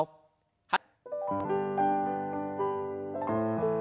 はい。